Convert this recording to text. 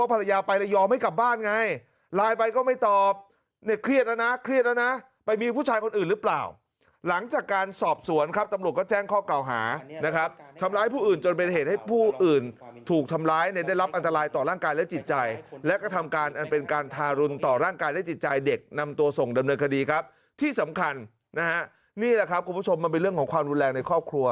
ภรรยาไปแล้วยอมให้กลับบ้านไงลายไปก็ไม่ตอบเนี่ยเครียดแล้วนะเครียดแล้วนะไปมีผู้ชายคนอื่นหรือเปล่าหลังจากการสอบสวนครับตำรวจก็แจ้งข้อเก่าหานะครับทำร้ายผู้อื่นจนเป็นเหตุให้ผู้อื่นถูกทำร้ายในได้รับอันตรายต่อร่างกายและจิตใจและก็ทำการเป็นการทารุนต่อร่างกายและจิตใจเด็กนำตัวส่งดำเนิ